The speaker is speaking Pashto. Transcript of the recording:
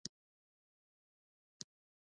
آیا داخلي شرکتونه اکمالات کوي؟